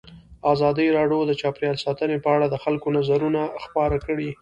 ازادي راډیو د چاپیریال ساتنه په اړه د خلکو نظرونه خپاره کړي.